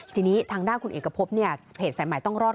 ทีนี้ทางด้านคุณเอกพบเนี่ยเพจสายใหม่ต้องรอด